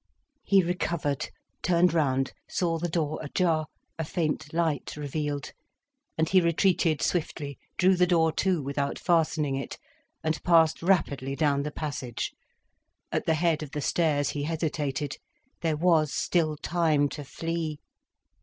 He recovered, turned round, saw the door ajar, a faint light revealed. And he retreated swiftly, drew the door to without fastening it, and passed rapidly down the passage. At the head of the stairs he hesitated. There was still time to flee.